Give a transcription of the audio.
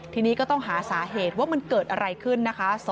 ทีนี้ก็ต้องหาสาเหตุว่ามันเกิดอะไรขึ้นนะคะ